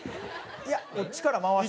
いやこっちから回して。